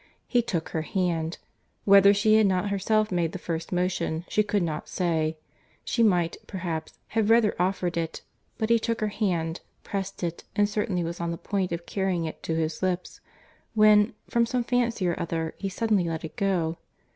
—He took her hand;—whether she had not herself made the first motion, she could not say—she might, perhaps, have rather offered it—but he took her hand, pressed it, and certainly was on the point of carrying it to his lips—when, from some fancy or other, he suddenly let it go.